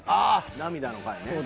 涙の回ね。